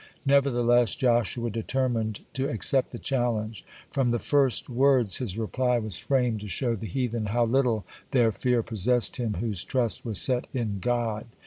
Nevertheless Joshua determined to accept the challenge. From the first words his reply was framed to show the heathen how little their fear possessed him whose trust was set in God.